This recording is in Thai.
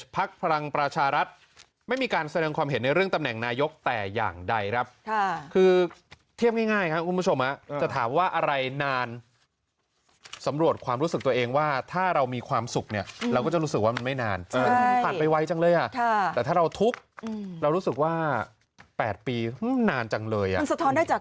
ประยุทธ์